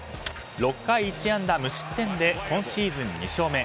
６回１安打無失点で今シーズン２勝目。